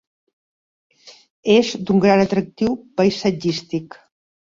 És d'un gran atractiu paisatgístic.